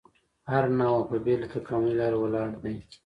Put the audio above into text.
هره نوعه په بېله تکاملي لاره ولاړ دی.